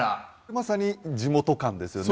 まさに地元感ですよね。